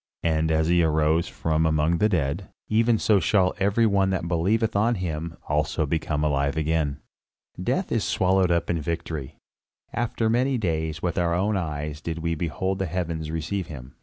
And as he arose from among the dead, even so shall every one that believeth on him also become alive again. Death is swallowed up in victory. After many days, with our own eyes did we behold the heavens receive him.